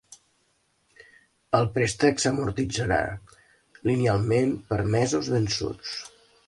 El préstec s'amortitzarà linealment per mesos vençuts.